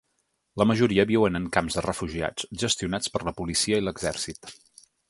La majoria viuen en camps de refugiats gestionats per la policia i l’exèrcit.